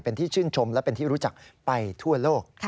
เป็นที่ชื่นชมและเป็นที่รู้จักไปทั่วโลก